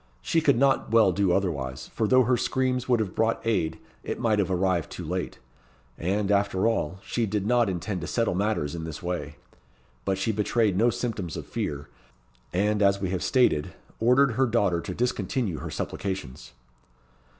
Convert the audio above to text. She could not well do otherwise; for though her screams would have brought aid, it might have arrived too late. And, after all, she did not intend to settle matters in this way. But she betrayed no symptoms of fear, and, as we have stated, ordered her daughter to discontinue her supplications.